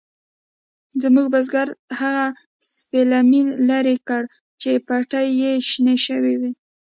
زموږ بزگر هغه سپلمۍ لرې کړې چې پټي کې شنې شوې وې.